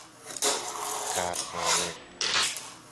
خرخانه